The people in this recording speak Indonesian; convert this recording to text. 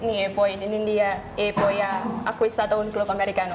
pemain berusia empat puluh empat tahun ini bercerita kepada saya tentang makna sepak bola ini